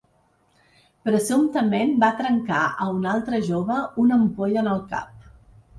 Presumptament va trencar a un altre jove una ampolla en el cap.